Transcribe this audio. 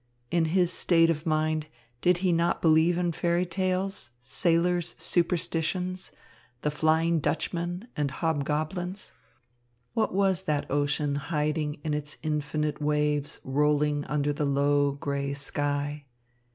In his state of mind, did he not believe in fairy tales, sailors' superstitions, the Flying Dutchman, and hobgoblins? What was that ocean hiding in its infinite waves rolling under the low, grey sky?